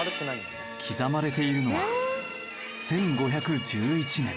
刻まれているのは１５１１年。